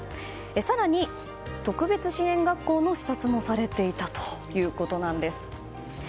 更に特別支援学校の視察もされていたということです。